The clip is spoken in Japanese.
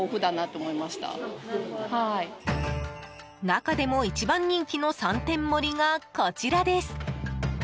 中でも一番人気の三点盛りがこちらです。